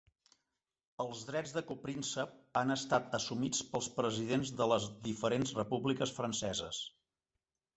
Els drets de Copríncep han estat assumits pels presidents de les diferents Repúbliques Franceses.